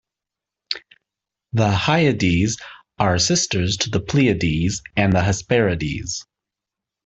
The Hyades are sisters to the Pleiades and the Hesperides.